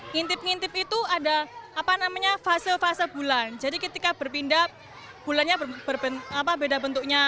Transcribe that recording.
ngintip ngintip itu ada apa namanya fase fase bulan jadi ketika berpindah bulannya berbeda bentuknya